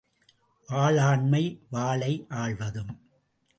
வாளாண்மை வாளை ஆள்வதும்.